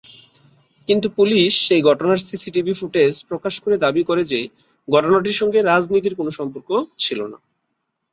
কিন্তু পুলিশ সেই ঘটনার সিসিটিভি ফুটেজ প্রকাশ করে দাবি করে যে, ঘটনাটির সঙ্গে রাজনীতির কোনও সম্পর্ক ছিল না।